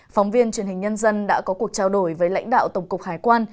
phóng viên truyền hình nhân dân đã có cuộc trao đổi với lãnh đạo tổng cục hải quan